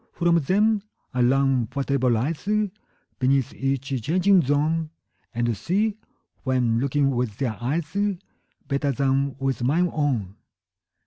From them I learn whatever lies Beneath each changing zone, And see, when looking with their eyes, 35 Better than with mine own.